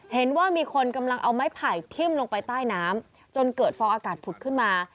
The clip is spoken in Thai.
เห็นว่ามีคนกำลังเอาไม้ไผ่ทิ้มลงไปใต้น้ำจนเกิดฟองอากาศผุดขึ้นมา